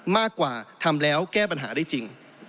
มากกว่าทำแล้วแก้ปัญหาได้จริง